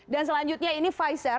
dan selanjutnya ini pfizer